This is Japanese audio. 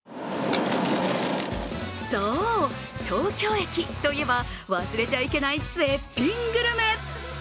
そう、東京駅といえば忘れちゃいけない絶品グルメ。